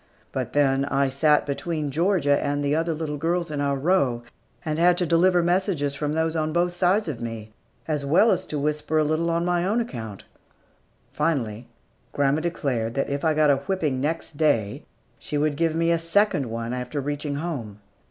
But then, I sat between Georgia and the other little girls in our row, and had to deliver messages from those on both sides of me, as well as to whisper a little on my own account. Finally, grandma declared that if I got a whipping next day, she would give me a second one after reaching home.